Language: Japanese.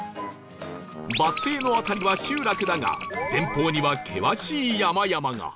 バス停の辺りは集落だが前方には険しい山々が